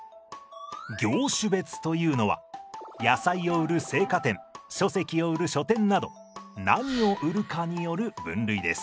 業種別というのは野菜を売る青果店書籍を売る書店など何を売るかによる分類です。